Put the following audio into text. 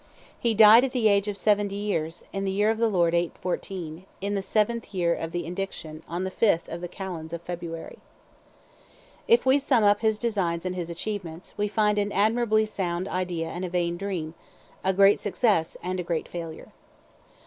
He died at the age of seventy years, in the year of the Lord 814, in the seventh year of the Indiction, on the 5th of the Kalends of February.'" If we sum up his designs and his achievements, we find an admirably sound idea and a vain dream, a great success and a great failure.